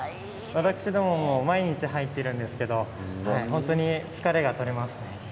私どもも毎日入っているんですけれど本当に疲れが取れますね。